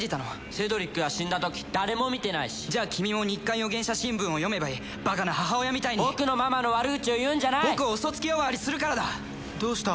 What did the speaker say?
セドリックが死んだ時誰も見てないしじゃあ君も日刊予言者新聞を読めばいいバカな母親みたいに僕のママの悪口を言うんじゃない僕を嘘つき呼ばわりするからだどうした？